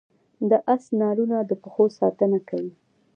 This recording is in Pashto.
د اس نالونه د پښو ساتنه کوي